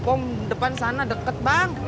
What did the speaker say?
bom depan sana deket bang